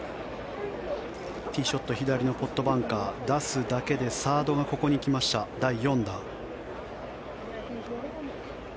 ティーショット左のポットバンカー出すだけでサードがここに来ました第４打。